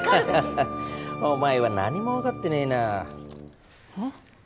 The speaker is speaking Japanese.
ハハハお前は何も分かってねえなえっ？